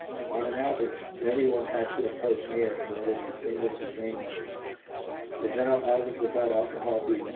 On an average, every one had to approach nearer in order to distinguish the same letters, the general average without alcohol being 9.